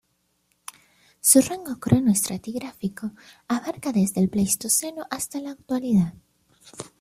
Su rango cronoestratigráfico abarca desde el Pleistoceno hasta la Actualidad.